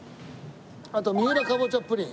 あと三浦かぼちゃプリン。